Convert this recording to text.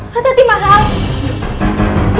masa tadi masalah